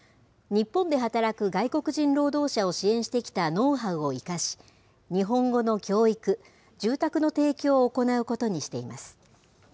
日本で働く外国人労働者を支援してきたノウハウを生かし、日本語の教育、住宅の提供を行うことにしています。